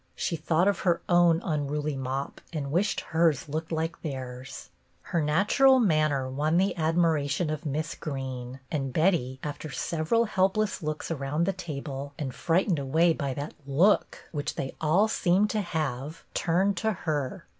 She thought of her own unruly mop and wished hers looked like theirs. Her natural manner won the admiration of Miss Greene, and Betty, after several helpless looks around the table, and frightened away by " that look " UNEXPECTED WELCOME 55 which they all seemed to have, turned to her.